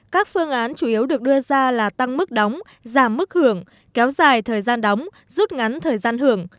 các phương án chủ yếu được đưa ra là tăng mức đóng giảm mức hưởng kéo dài thời gian đóng rút ngắn thời gian hưởng